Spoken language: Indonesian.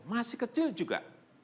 masih kecil juga